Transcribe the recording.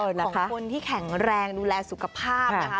ต้องเป็นต้นแบบของคนที่แข็งแรงดูแลสุขภาพนะคะ